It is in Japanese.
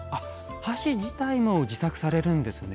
箸自体も自作されるんですね。